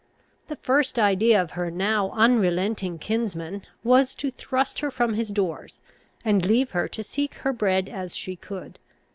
The first idea of her now unrelenting kinsman was to thrust her from his doors, and leave her to seek her bread as she could.